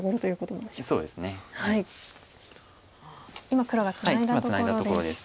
今黒がツナいだところです。